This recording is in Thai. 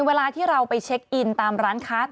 เวลาที่เราไปเช็คอินตามร้านค้า